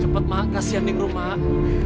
cepat mak kasihan ningrum mak